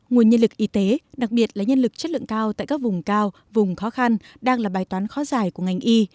nguồn nhân lực y tế đặc biệt là nhân lực chất lượng cao tại các vùng cao vùng khó khăn đang là bài toán khó giải của ngành y